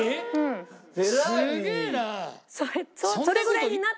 すげえな！